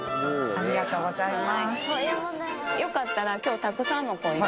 ありがとうございます。